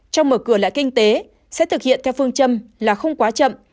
trong mở cửa lại kinh tế sẽ thực hiện theo phương châm là không quá chậm